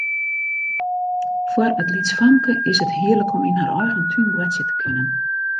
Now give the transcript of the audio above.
Foar it lytsfamke is it hearlik om yn har eigen tún boartsje te kinnen.